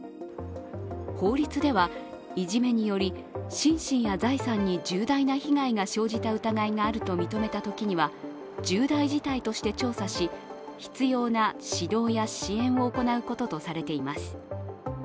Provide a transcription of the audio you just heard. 法律では、いじめにより心身や財産に重大な被害が生じた疑いがあると認めたときには重大事態として調査し、必要な指導や支援を行うこととされています。